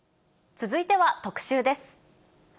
続いては特集です。